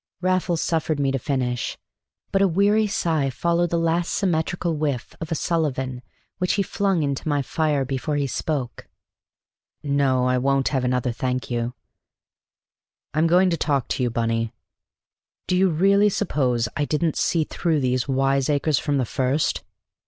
Raffles suffered me to finish, but a weary sigh followed the last symmetrical whiff of a Sullivan which he flung into my fire before he spoke. "No, I won't have another, thank you. I'm going to talk to you, Bunny. Do you really suppose I didn't see through these wiseacres from the first?"